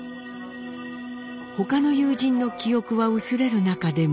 他の友人の記憶は薄れる中でも。